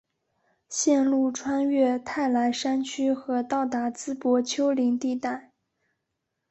线路穿越泰莱山区和到达淄博丘陵地带。